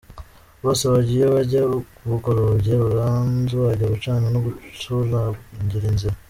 Bose bajya iyo bajya, bugorobye Ruganzu ajya gucana no gucurangira Nzira.